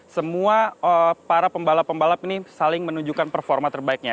semua para pembalap pembalap ini saling menunjukkan performa terbaiknya